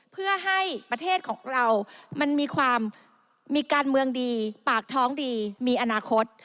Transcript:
เพื่อให้ประเทศของเรามันมีความมีการเมืองดีปากท้องดีมีอนาคต